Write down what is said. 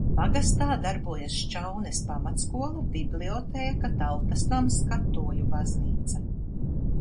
Pagastā darbojas Šķaunes pamatskola, bibliotēka, Tautas nams, katoļu baznīca.